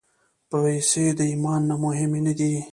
پېسې د ایمان نه مهمې نه دي.